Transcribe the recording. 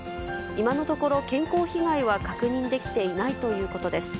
今のところ、健康被害は確認できていないということです。